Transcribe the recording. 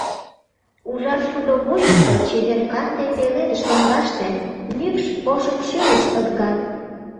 Ужар шудо вуйышто, чевер-канде пеледыш лоҥгаште, мӱкш, ошымшӱлыш ызгат.